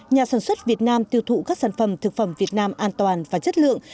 nhà sản xuất việt nam tiêu thụ các sản phẩm thực phẩm việt nam an toàn và chất lượng